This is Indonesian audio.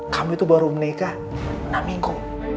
kamu itu baru menikah enam minggu